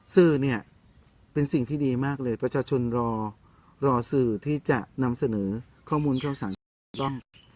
สื่อเนี่ยเป็นสิ่งที่ดีมากเลยประชาชนรอรอสื่อที่จะนำเสนอข้อมูลข่าวสารที่ถูกต้อง